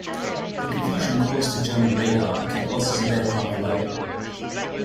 The confusion caused to German radar kept losses of aircraft low.